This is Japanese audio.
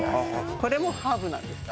これもハーブなんです。